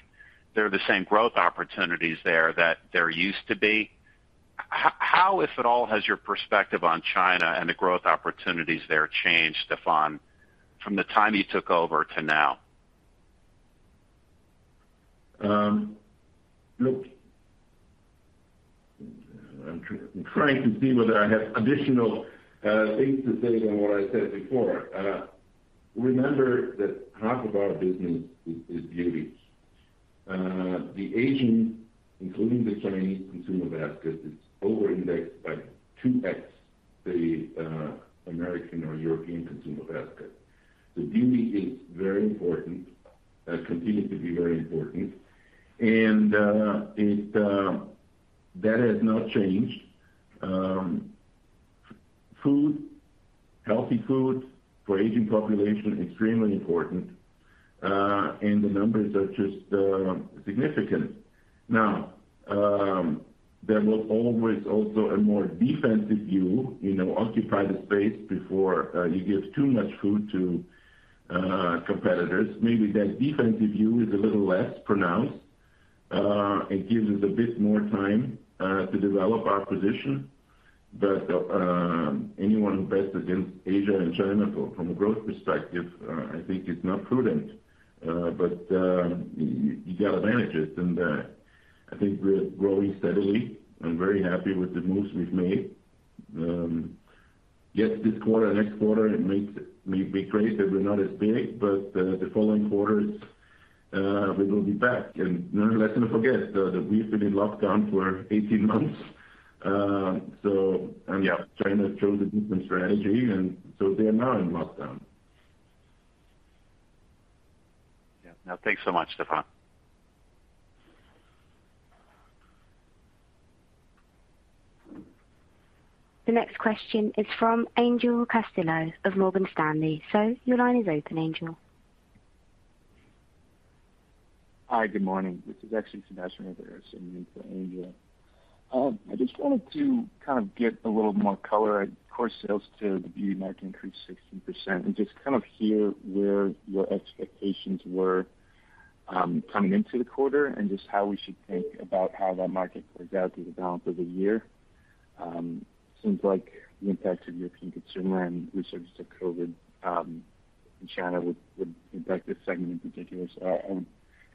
there are the same growth opportunities there that there used to be. How, if at all, has your perspective on China and the growth opportunities there changed, Stephan, from the time you took over to now? Look, I'm trying to see whether I have additional things to say than what I said before. Remember that half of our business is beauty. The Asian, including the Chinese consumer basket, is overindexed by 2x the American or European consumer basket. The beauty is very important, continues to be very important, and that has not changed. Food, healthy food for aging population, extremely important, and the numbers are just significant. Now, there was always also a more defensive view, you know, occupy the space before you give too much food to competitors. Maybe that defensive view is a little less pronounced and gives us a bit more time to develop our position. Anyone who bets against Asia and China from a growth perspective, I think is not prudent. You got to manage it. I think we're growing steadily. I'm very happy with the moves we've made. Yes, this quarter, next quarter, we trace it, we're not as big, but the following quarters, we will be back. Let's not forget that we've been in lockdown for 18 months. China chose a different strategy, and so they are now in lockdown. Yeah. Now, thanks so much, Stephan. The next question is from Angel Castillo of Morgan Stanley. Your line is open, Angel. Hi. Good morning. This is actually Sebastian Rivera, standing in for Angel. I just wanted to kind of get a little more color. Core sales to the beauty market increased 16%. Just kind of hear where your expectations were, coming into the quarter and just how we should think about how that market plays out through the balance of the year. Seems like the impact of European consumer and resurgence of COVID in China would impact this segment in particular.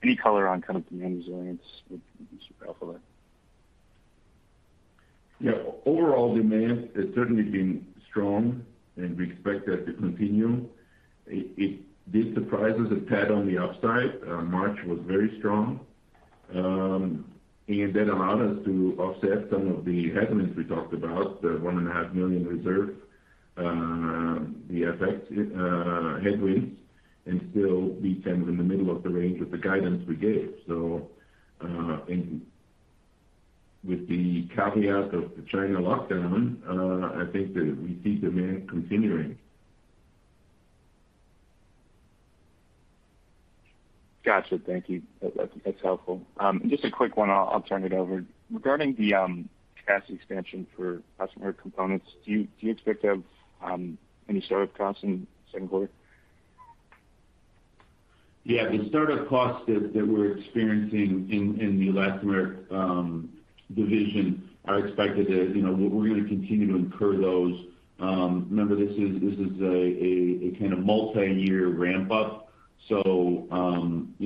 Any color on kind of demand resilience would be super helpful there. Yeah. Overall demand has certainly been strong, and we expect that to continue. It did surprise us a tad on the upside. March was very strong. That allowed us to offset some of the headwinds we talked about, the $1.5 million reserve, the FX headwinds, and still be kind of in the middle of the range with the guidance we gave. I think with the caveat of the China lockdown, I think that we see demand continuing. Got you. Thank you. That's helpful. Just a quick one. I'll turn it over. Regarding the capacity expansion for elastomeric components, do you expect to have any startup costs in Q2? Yeah. The startup costs that we're experiencing in the elastomer division are expected to, you know, we're going to continue to incur those. Remember this is a kind of multi-year ramp up. You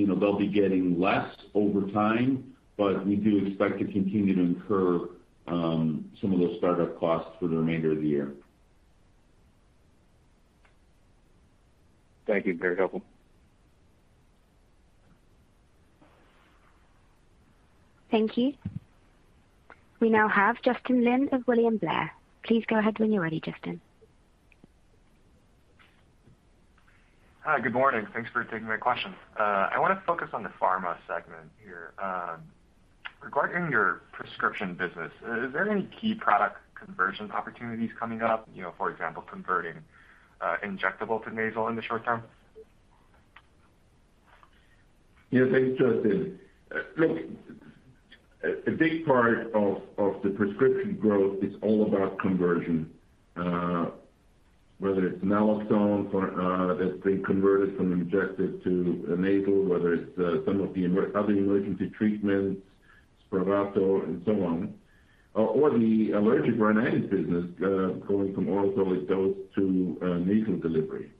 know, they'll be getting less over time, but we do expect to continue to incur some of those startup costs for the remainder of the year. Thank you. Very helpful. Thank you. We now have Justin Lin of William Blair. Please go ahead when you're ready, Justin. Hi. Good morning. Thanks for taking my questions. I want to focus on the pharma segment here. Regarding your prescription business, is there any key product conversion opportunities coming up? You know, for example, converting injectable to nasal in the short term? Yeah, thanks, Justin. Look, a big part of the prescription growth is all about conversion, whether it's Naloxone that's being converted from injected to nasal, whether it's some of the other emergency treatments, SPRAVATO and so on, or the allergic rhinitis business going from oral solid dose to nasal delivery.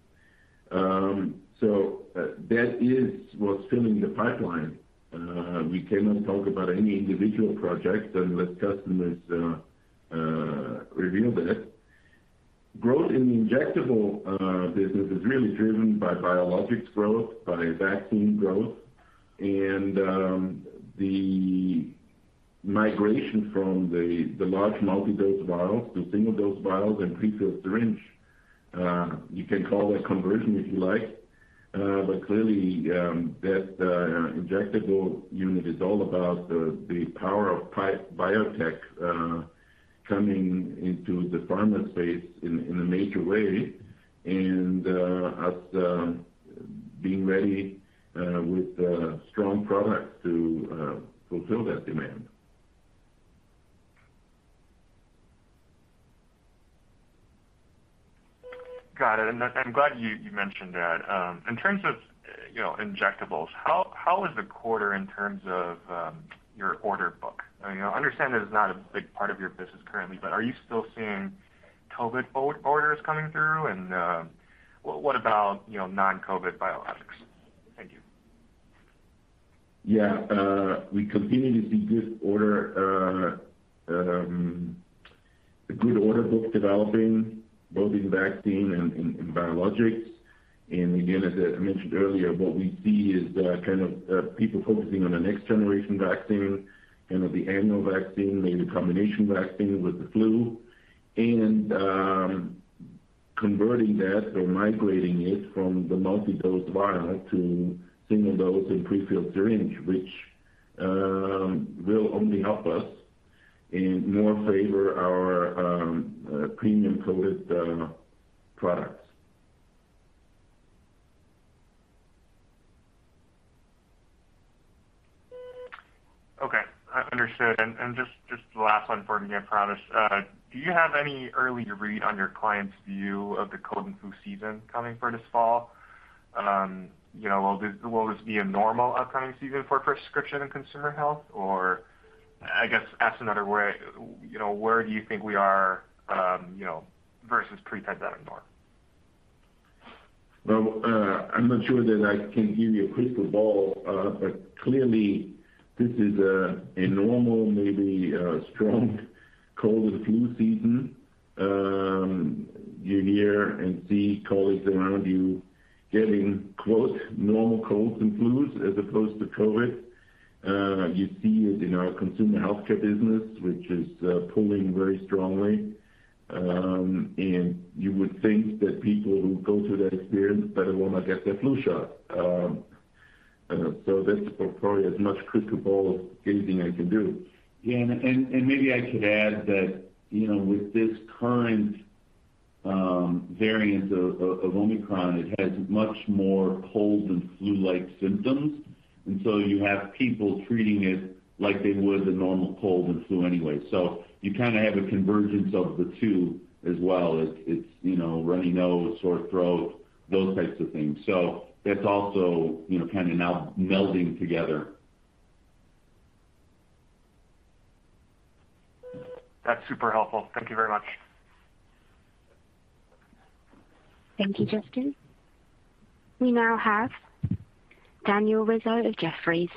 That is what's filling the pipeline. We cannot talk about any individual projects unless customers reveal that. Growth in the injectable business is really driven by biologics growth, by vaccine growth, and the migration from the large multi-dose vials to single-dose vials and prefilled syringe. You can call that conversion if you like. Clearly, that injectable unit is all about the power of biotech coming into the pharma space in a major way and us being ready with strong products to fulfill that demand. Got it. I'm glad you mentioned that. In terms of, you know, injectables, how was the quarter in terms of your order book? I understand that it's not a big part of your business currently, but are you still seeing COVID orders coming through? What about, you know, non-COVID biologics? Thank you. Yeah. We continue to see a good order book developing, both in vaccine and in biologics. Again, as I mentioned earlier, what we see is kind of people focusing on the next generation vaccine, you know, the annual vaccine, maybe combination vaccine with the flu, and converting that or migrating it from the multi-dose vial to single dose and prefilled syringe, which will only help us and more favor our premium COVID products. Okay. Understood. Just the last one for me, I promise. Do you have any early read on your clients' view of the cold and flu season coming for this fall? You know, will this be a normal upcoming season for prescription and consumer health? Or I guess ask another way, you know, where do you think we are versus pre-pandemic, Bob? Well, I'm not sure that I can give you a crystal ball, but clearly this is a normal, maybe, strong cold and flu season. You hear and see colleagues around you getting, quote, "normal colds and flus" as opposed to COVID. You see it in our consumer healthcare business, which is pulling very strongly. You would think that people who go through that experience better well might get their flu shot. That's probably as much crystal ball gazing I can do. Yeah. Maybe I could add that, you know, with this current variant of Omicron, it has much more cold and flu-like symptoms. You have people treating it like they would a normal cold and flu anyway. You kind of have a convergence of the two as well. It's, you know, runny nose, sore throat, those types of things. That's also, you know, kind of now melding together. That's super helpful. Thank you very much. Thank you, Justin. We now have Daniel Rizzo of Jefferies.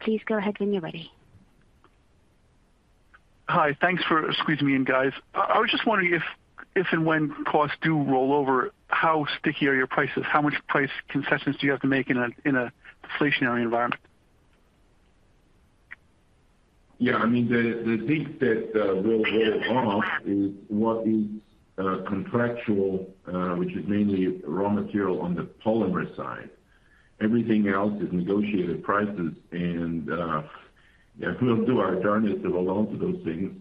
Please go ahead when you're ready. Hi. Thanks for squeezing me in, guys. I was just wondering if and when costs do roll over, how sticky are your prices? How much price concessions do you have to make in a deflationary environment? Yeah, I mean, the things that will roll off is what is contractual, which is mainly raw material on the polymer side. Everything else is negotiated prices. If we don't do our darnedest to hold on to those things,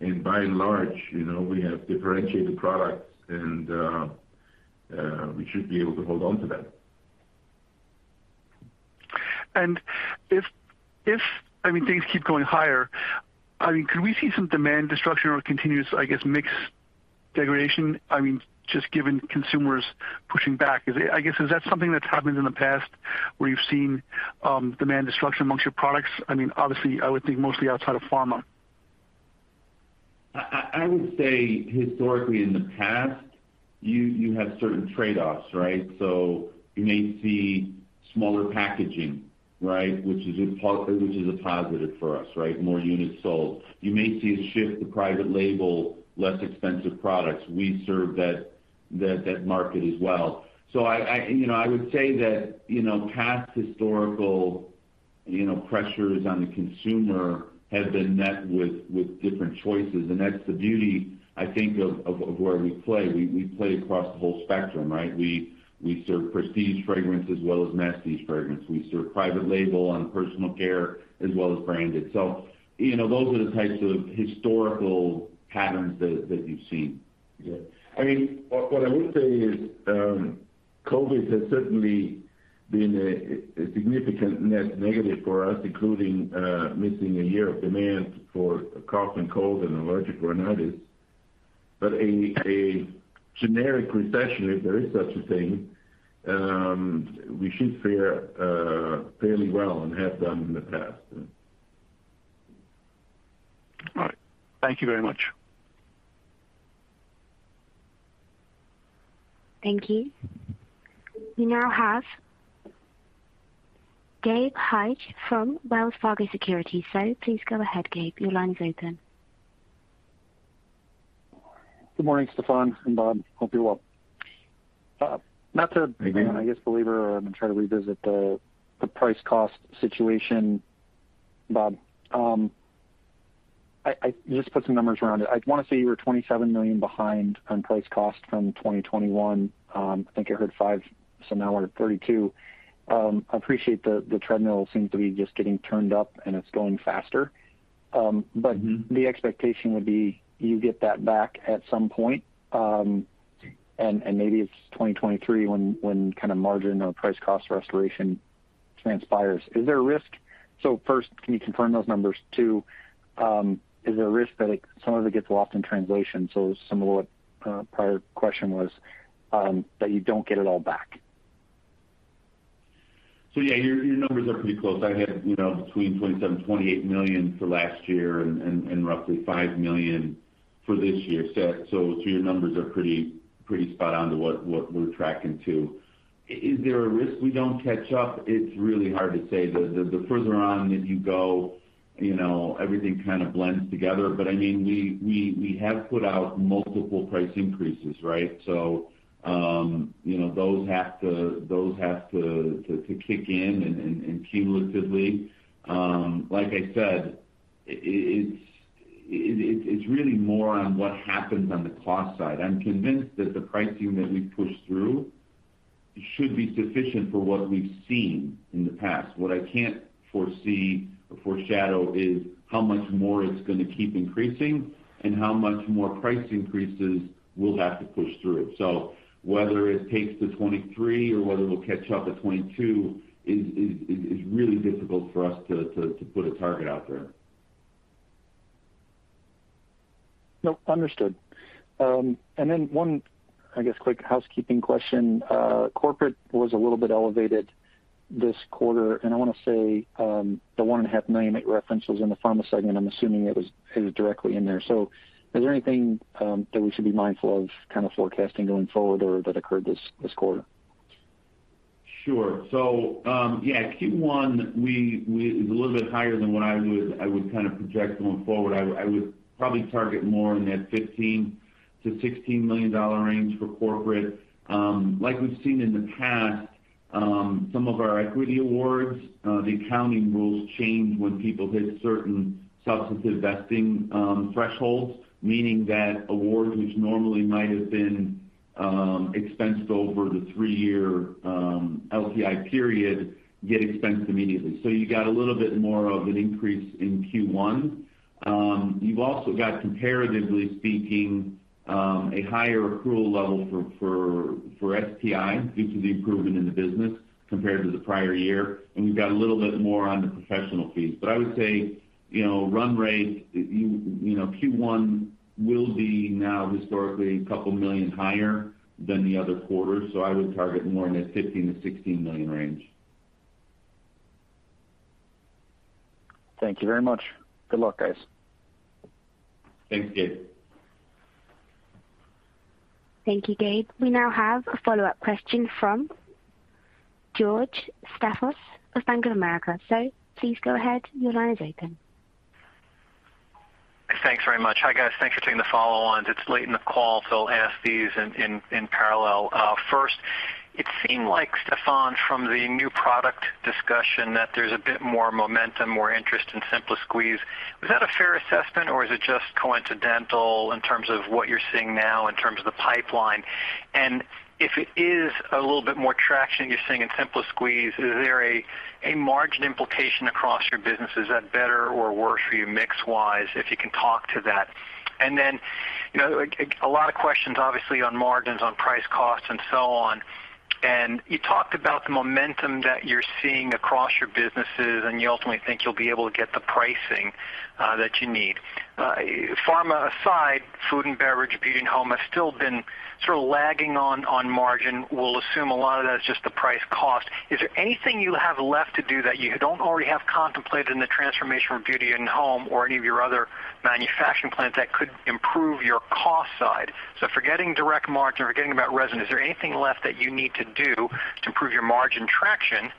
and by and large, you know, we have differentiated products and we should be able to hold on to that. If I mean, things keep going higher, I mean, could we see some demand destruction or continuous, I guess, mix degradation? I mean, just given consumers pushing back. Is it, I guess, is that something that's happened in the past where you've seen demand destruction amongst your products? I mean, obviously I would think mostly outside of pharma. I would say historically in the past, you have certain trade-offs, right? So you may see smaller packaging, right? Which is a positive for us, right? More units sold. You may see a shift to private label, less expensive products. We serve that market as well. So I you know, I would say that, you know, past historical, you know, pressures on the consumer have been met with different choices. That's the beauty, I think, of where we play. We play across the whole spectrum, right? We serve prestige fragrance as well as masstige fragrance. We serve private label on personal care as well as branded. So, you know, those are the types of historical patterns that you've seen. Yeah. I mean, what I would say is, COVID has certainly been a significant net negative for us, including missing a year of demand for cough and cold and allergic rhinitis. A generic recession, if there is such a thing, we should fare fairly well and have done in the past. All right. Thank you very much. Thank you. We now have Gabe Hajde from Wells Fargo Securities. Please go ahead, Gabe. Your line is open. Good morning, Stephan and Bob. Hope you're well. Good morning. I guess belabor or try to revisit the price cost situation, Bob. I just put some numbers around it. I wanna say you were $27 million behind on price cost from 2021. I think I heard $5 million, so now we're at $32 million. I appreciate the treadmill seems to be just getting turned up and it's going faster. Mm-hmm. The expectation would be you get that back at some point, and maybe it's 2023 when kind of margin or price cost restoration transpires. Is there a risk? First, can you confirm those numbers? Two, is there a risk that some of it gets lost in translation, so similar to what prior question was, that you don't get it all back? Yeah, your numbers are pretty close. I had, you know, between $27 million-$28 million for last year and roughly $5 million for this year. Your numbers are pretty spot on to what we're tracking to. Is there a risk we don't catch up? It's really hard to say. The further on that you go, you know, everything kind of blends together. I mean, we have put out multiple price increases, right? You know, those have to kick in and cumulatively. Like I said, it's really more on what happens on the cost side. I'm convinced that the pricing that we've pushed through should be sufficient for what we've seen in the past. What I can't foresee or foreshadow is how much more it's gonna keep increasing and how much more price increases we'll have to push through. Whether it takes to 2023 or whether it'll catch up to 2022 is really difficult for us to put a target out there. Nope, understood. One, I guess, quick housekeeping question. Corporate was a little bit elevated this quarter, and I wanna say the $1.5 million you made reference to in the pharma segment. I'm assuming it was directly in there. Is there anything that we should be mindful of kind of forecasting going forward or that occurred this quarter? Q1 is a little bit higher than what I would kind of project going forward. I would probably target more in that $15-$16 million range for corporate. Like we've seen in the past, some of our equity awards, the accounting rules change when people hit certain substantive vesting thresholds. Meaning that awards which normally might have been expensed over the three-year LTI period get expensed immediately. You got a little bit more of an increase in Q1. You've also got comparatively speaking, a higher accrual level for STI due to the improvement in the business compared to the prior year. We've got a little bit more on the professional fees. I would say, you know, run rate, you know, Q1 will be now historically a couple million higher than the other quarters, so I would target more in the $15-$16 million range. Thank you very much. Good luck, guys. Thanks, Gabe. Thank you, Gabe. We now have a follow-up question from George Staphos of Bank of America. Sir, please go ahead. Your line is open. Thanks very much. Hi, guys. Thanks for taking the follow on. It's late in the call, so I'll ask these in parallel. First, it seemed like, Stephan, from the new product discussion that there's a bit more momentum, more interest in Simplicity. Was that a fair assessment, or is it just coincidental in terms of what you're seeing now in terms of the pipeline? If it is a little bit more traction you're seeing in Simplicity, is there a margin implication across your businesses that better or worse for you mix wise, if you can talk to that. Then, you know, a lot of questions obviously on margins, on price costs and so on. You talked about the momentum that you're seeing across your businesses and you ultimately think you'll be able to get the pricing that you need. Pharma aside, food and beverage, beauty and home has still been sort of lagging on margin. We'll assume a lot of that is just the price cost. Is there anything you have left to do that you don't already have contemplated in the transformation of beauty and home or any of your other manufacturing plants that could improve your cost side? Forgetting direct margin or forgetting about resin, is there anything left that you need to do to improve your margin traction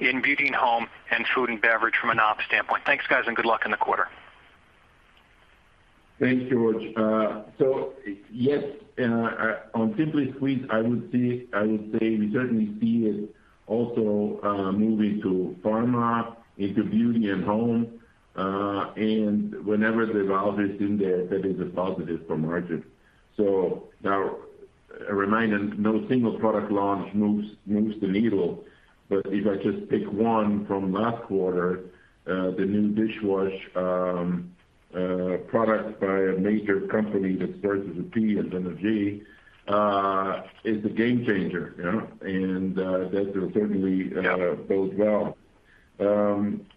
in beauty and home and food and beverage from an op standpoint? Thanks, guys, and good luck in the quarter. Thanks, George. Yes, on Simplicity, I would say we certainly see it also moving to pharma into beauty and home. Whenever the valve is in there, that is a positive for margin. No single product launch moves the needle. If I just pick one from last quarter, the new dishwashing product by a major company that starts with a P and ends in a G is a game changer, you know. That will certainly bode well.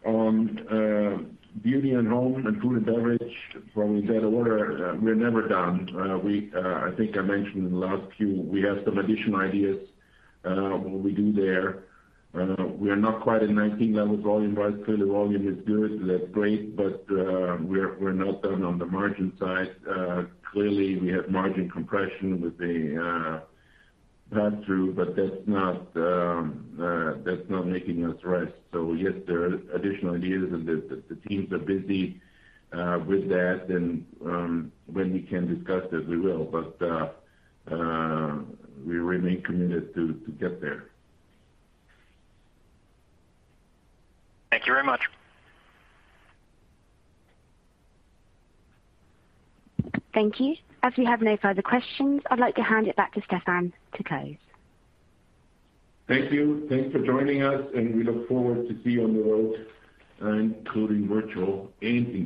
On beauty and home and food and beverage in that order, we're never done. I think I mentioned in the last few, we have some additional ideas what we do there. We are not quite at 2019 level volume-wise. Clearly volume is good. That's great, but we're not done on the margin side. Clearly we have margin compression with the pass-through, but that's not making us rest. Yes, there are additional ideas, and the teams are busy with that. When we can discuss this, we will. We remain committed to get there. Thank you very much. Thank you. As we have no further questions, I'd like to hand it back to Stephan to close. Thank you. Thanks for joining us, and we look forward to see you on the road, including virtual and in person.